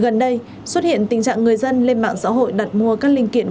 gần đây xuất hiện tình trạng người dân lên mạng xã hội đặt mua các linh kiện